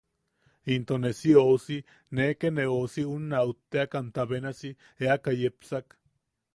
Into ne si ousi… ne ke ne ousi unna utte’akamta benasi eaka yepsak.